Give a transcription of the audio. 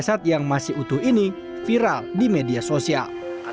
jasad yang masih utuh ini viral di media sosial